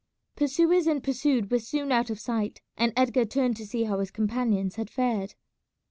Pursuers and pursued were soon out of sight, and Edgar turned to see how his companions had fared.